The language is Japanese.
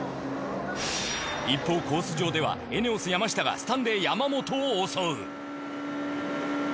一方コース上ではエネオス山下がスタンレー山本を襲う